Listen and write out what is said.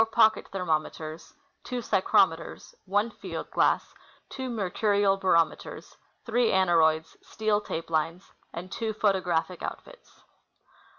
four ]_)Ocket thermometers, two psychrometers, one field glass, two mercurial barometers, three aneroids, steel tape lines, and two photographic outfits.